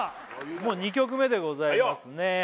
もう２曲目でございますねはいよ